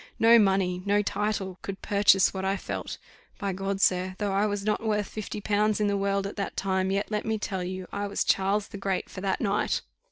No money, no title, could purchase what I felt. By G , sir, though I was not worth fifty pounds in the world at that time, yet let me tell you, I was Charles the Great for that night."